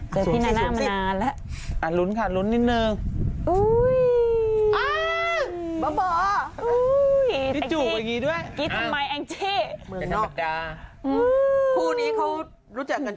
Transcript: เจอพี่นานะมานานแล้ว